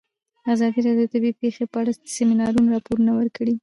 ازادي راډیو د طبیعي پېښې په اړه د سیمینارونو راپورونه ورکړي.